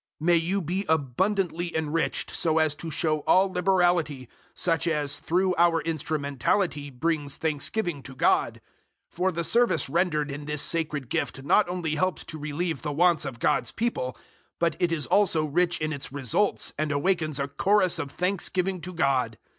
009:011 May you be abundantly enriched so as to show all liberality, such as through our instrumentality brings thanksgiving to God. 009:012 For the service rendered in this sacred gift not only helps to relieve the wants of God's people, but it is also rich in its results and awakens a chorus of thanksgiving to God.